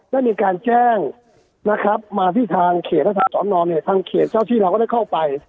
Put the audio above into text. ได้มีการแจ้งมาที่ทางเขตต้นทางเขตเจ้าที่เราก็ได้เข้าไป